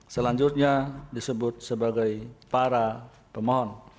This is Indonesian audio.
selanjutnya disebut sebagai para pemohon